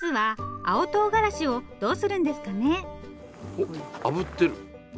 おあぶってる。